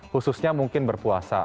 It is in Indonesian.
khususnya mungkin berpuasa